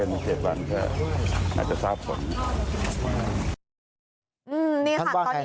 นี่ค่ะตอนนี้